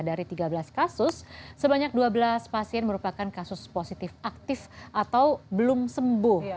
dari tiga belas kasus sebanyak dua belas pasien merupakan kasus positif aktif atau belum sembuh